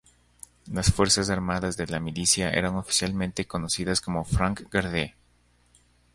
Las fuerzas armadas de la Milicia eran oficialmente conocidas como Franc-Garde.